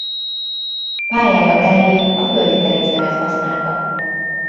Pályája elején a Földi Teréz nevet használta.